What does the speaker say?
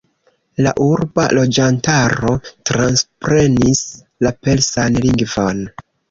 La urba loĝantaro transprenis la persan lingvon.